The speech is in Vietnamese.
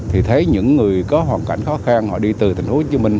thì thấy những người có hoàn cảnh khó khăn họ đi từ thành phố hồ chí minh